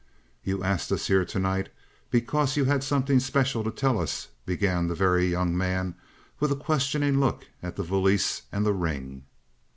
"You asked us here to night because you had something special to tell us," began the Very Young Man, with a questioning look at the valise and the ring.